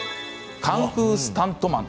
「カンフースタントマン」